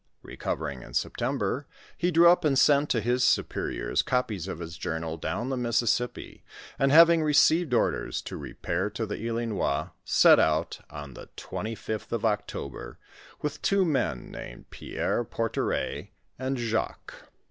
Recovering in September, he drew up and sent t<» his superiors, copies of his journal down the Mississippi, and having received orders to repair to the Ilinois, set out^ on the 26th of October, with two men named Pierre Porteret and Jacques